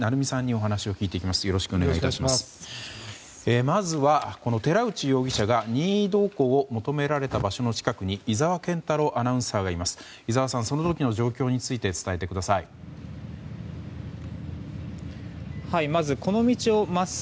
まずは、この寺内容疑者が任意同行を求められた場所の近くに井澤健太朗アナウンサーがいます。